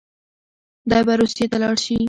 دی به روسيې ته لاړ شي.